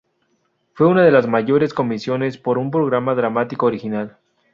Fue una de las mayores comisiones por un programa dramático original.